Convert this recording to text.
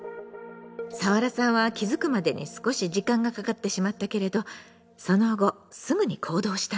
サワラさんは気付くまでに少し時間がかかってしまったけれどその後すぐに行動したの。